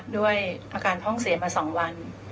ด้วยอาการห้องเสียมา๒วัน